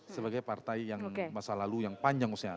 sebagai partai yang masa lalu yang panjang usianya